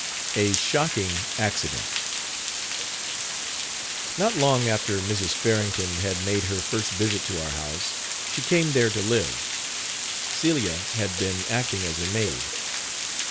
A SHOCKING ACCIDENT. Not long after Mrs. Farrington had made her first visit to our house, she came there to live. Celia had been acting as her maid.